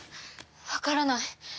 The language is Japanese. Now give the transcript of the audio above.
わからない。